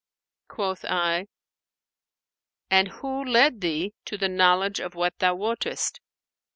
Quoth I, 'And who led thee to the knowledge of what thou wottest?'